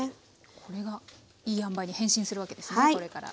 これがいいあんばいに変身するわけですねこれから。